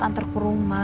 antar ke rumah